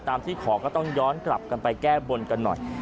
ที่ขอก็ต้องย้อนกลับกันไปแก้บนกันหน่อย